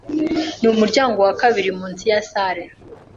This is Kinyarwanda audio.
Ni umuryango wa kabiri munsi ya salle.